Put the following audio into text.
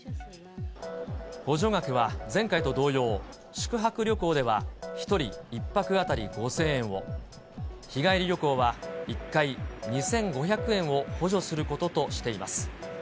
補助額は前回と同様、宿泊旅行では、１人１泊当たり５０００円を、日帰り旅行は１回２５００円を補助することとしています。